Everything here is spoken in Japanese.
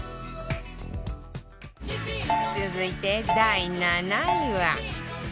続いて第７位は